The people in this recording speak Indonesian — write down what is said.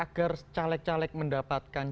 agar caleg caleg mendapatkan